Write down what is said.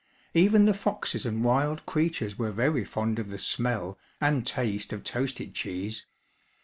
Even the foxes and wild creatures were very fond of the smell and taste of toasted cheese.